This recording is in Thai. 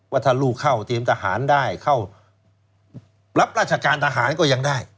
ว่าถ้าลูกเข้าเตรียมทหารได้เข้ารับราชการทหารก็ยังได้